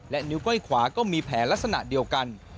นิ้วก้อยขวาก็มีแผลลักษณะเดียวกัน